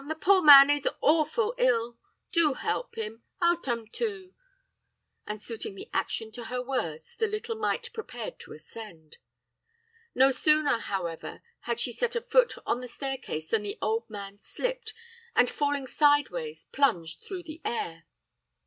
the poor man is awful ill. Do help him! I'll tum too,' and suiting the action to her words the little mite prepared to ascend. No sooner, however, had she set a foot on the staircase than the old man slipped, and, falling sideways, plunged through the air.